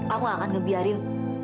aku enggak akan ngebiarin